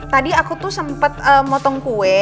tadi aku tuh sempat motong kue